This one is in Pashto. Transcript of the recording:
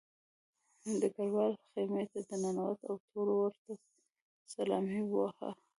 ډګروال خیمې ته ننوت او ټولو ورته سلامي ووهله